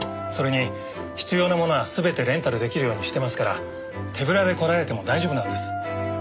それに必要な物は全てレンタルできるようにしてますから手ぶらで来られても大丈夫なんです。